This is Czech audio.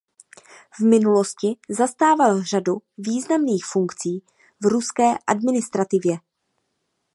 V minulosti zastával řadu významných funkcí v ruské administrativě.